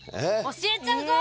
教えちゃうぞ！